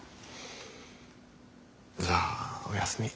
じゃあおやすみ。